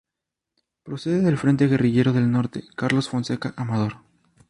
Procede del Frente Guerrillero del Norte Carlos Fonseca Amador.